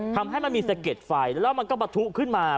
ทำให้มันมีสะเด็ดไฟแล้วมันก็ประทุขึ้นมา